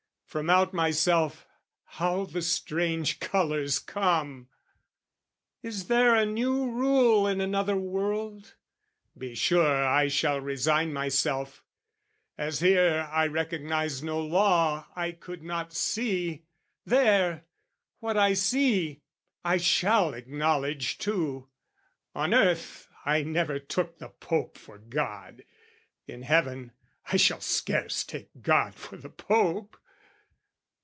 From out myself how the strange colours come! Is there a new rule in another world? Be sure I shall resign myself: as here I recognised no law I could not see, There, what I see, I shall acknowledge too: On earth I never took the Pope for God, In heaven I shall scarce take God for the Pope.